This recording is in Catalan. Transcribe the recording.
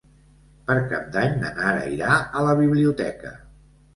Per Cap d'Any na Nara irà a la biblioteca.